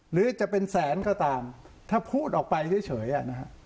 หรือจะเป็นแสนก็ตามถ้าพูดออกไปเฉยอ่ะนะฮะ